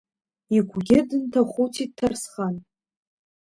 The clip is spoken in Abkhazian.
Игәгьы дынҭахәыцит Ҭарсхан.